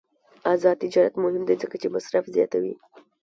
آزاد تجارت مهم دی ځکه چې مصرف زیاتوي.